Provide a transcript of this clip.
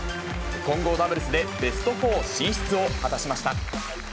混合ダブルスでベスト４進出を果たしました。